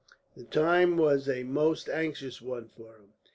The time was a most anxious one for him.